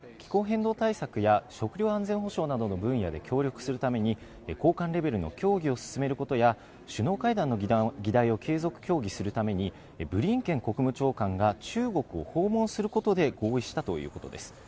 アメリカ側の発表によりますと会談で両首脳は気候変動対策や食糧安全保障などの分野で協力するために高官レベルの協議を進めることや首脳会談の議題を継続協議するためにブリンケン国務長官が中国を訪問することで合意したということです。